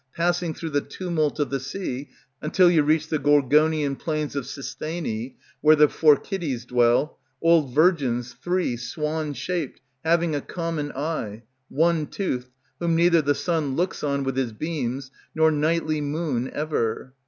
Passing through the tumult of the sea, until you reach The Gorgonian plains of Cisthene, where The Phorcides dwell, old virgins, Three, swan shaped, having a common eye, One toothed, whom neither the sun looks on With his beams, nor nightly moon ever.